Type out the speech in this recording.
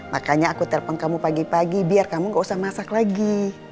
makanya aku telpon kamu pagi pagi biar kamu gak usah masak lagi